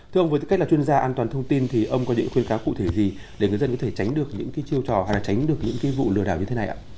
thưa ông với tư cách là chuyên gia an toàn thông tin thì ông có những khuyên cáo cụ thể gì để người dân có thể tránh được những chiêu trò hay là tránh được những vụ lừa đảo như thế này ạ